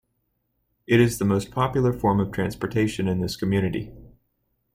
It is the most popular form of transportation in this community.